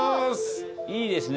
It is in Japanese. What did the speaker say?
いいですね